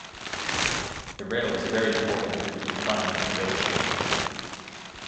The rail was very important to the economy of the village.